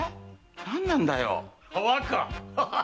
何なんだよ？